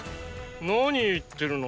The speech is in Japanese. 何言ってるの。